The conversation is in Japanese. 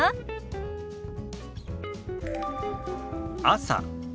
「朝」。